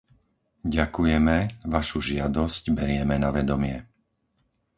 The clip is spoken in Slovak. Ďakujeme, vašu žiadosť berieme na vedomie.